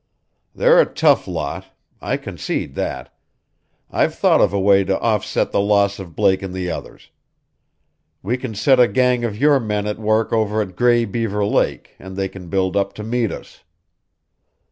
They're a tough lot. I concede that. I've thought of a way to offset the loss of Blake and the others. We can set a gang of your men at work over at Gray Beaver Lake, and they can build up to meet us."